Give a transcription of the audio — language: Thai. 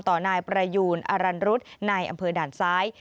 ต่อนายประยูนอรันรุษในอำเภอด่านซ้าย